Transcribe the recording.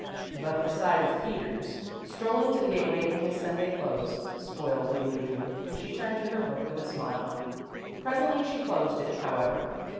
But the sight of Peters, strolling to the gateway in his Sunday clothes, spoiled the illusion, and she turned to her book with a smile. Presently she closed it, however.